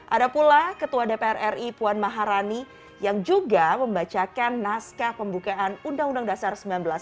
ada pula ketua dpr ri puan maharani yang juga membacakan naskah pembukaan undang undang dasar seribu sembilan ratus empat puluh lima